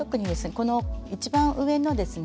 この一番上のですね